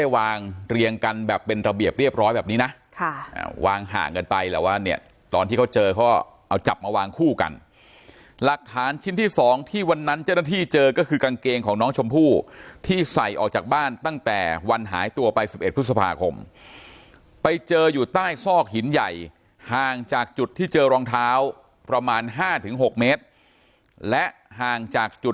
วางเรียงกันแบบเป็นระเบียบเรียบร้อยแบบนี้นะค่ะวางห่างกันไปแหละว่าเนี่ยตอนที่เขาเจอเขาเอาจับมาวางคู่กันหลักฐานชิ้นที่สองที่วันนั้นเจ้าหน้าที่เจอก็คือกางเกงของน้องชมพู่ที่ใส่ออกจากบ้านตั้งแต่วันหายตัวไป๑๑พฤษภาคมไปเจออยู่ใต้ซอกหินใหญ่ห่างจากจุดที่เจอรองเท้าประมาณ๕๖เมตรและห่างจากจุด